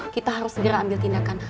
kita harus segera ambil tindakan